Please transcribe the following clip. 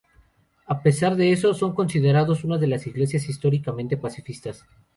A pesar de eso, son considerados una de las iglesias históricamente pacifistas.